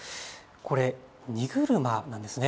これ、荷車なんですね。